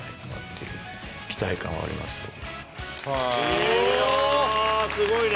いやあすごいね！